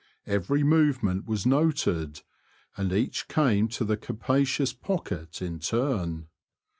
Every movement was noted, and each came to the capacious pocket in turn.